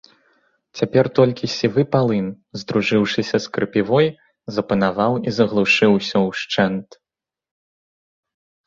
Цяпер толькі сівы палын, здружыўшыся з крапівой, запанаваў і заглушыў усё ўшчэнт.